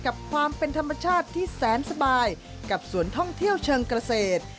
กับความเป็นธรรมชาติที่แสนสบายกับสวนท่องเที่ยวเชิงเกษตร